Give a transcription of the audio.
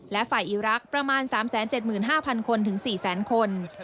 และฝ่ายอีรักษ์ประมาณ๓๗๕๐๐คนถึง๔แสนคน